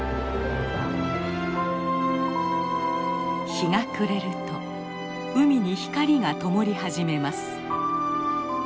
日が暮れると海に光がともり始めます。